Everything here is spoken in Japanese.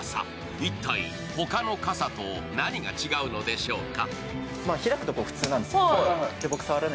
一体、他の傘と何が違うのでしょうか？